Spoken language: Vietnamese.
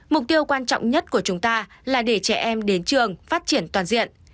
mục tiêu quan trọng nhất của chúng ta là để trẻ em đến trường phát triển toàn diện